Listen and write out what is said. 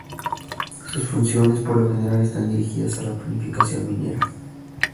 Sus funciones por lo general están dirigidas a la planificación minera.